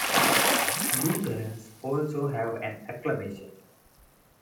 Lutherans also have an acclamation.